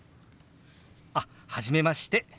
あっ初めまして。